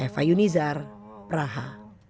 ewa yunizar praha